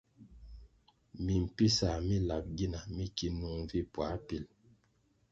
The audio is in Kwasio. Mimpisah mi lap gina mi ki nung vi puā pil.